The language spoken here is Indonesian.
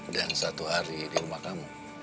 dan satu hari di rumah kamu